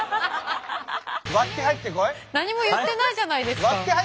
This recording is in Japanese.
何も言ってないじゃないですか。